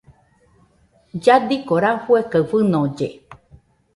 Lladiko rafue kaɨ fɨnolle.